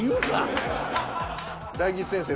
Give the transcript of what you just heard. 大吉先生